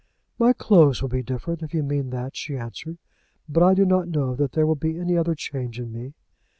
"My clothes will be different, if you mean that," she answered; "but I do not know that there will be any other change in me.